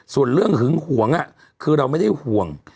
ส่วนเรื่องหึงหวงคือเราไม่ได้ห่วง